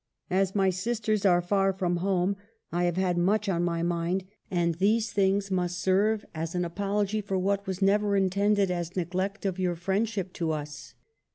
"As my sisters are far from home, I have had much on my mind, and these thiags must serve as an apology for what was never intended as neglect of your friendship to us.